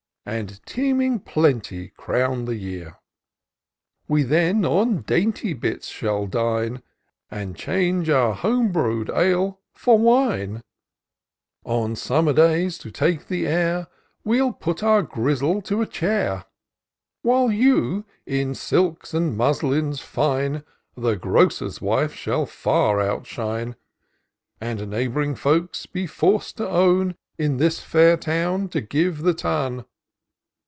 And teeming plenty crown the year : We then on dainty bits shall dine, And change our home brew'd ale for wine : On summer days, to take the air, We'll put our Grizzle to a chair ; While you, in silks and muslins fine. The grocer's wife shall far outshine. And neighb'ring folks be forc'd to own, In this fair town you give the ton."